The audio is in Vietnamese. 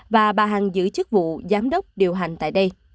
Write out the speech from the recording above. và bà hằng giữ chức vụ giám đốc điều hành tại đây